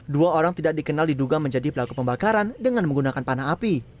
dua orang tidak dikenal diduga menjadi pelaku pembakaran dengan menggunakan panah api